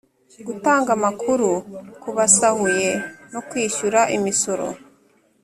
Gutanga Amakuru Ku Basahuye No Kwishyura Imisoro